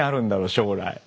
将来。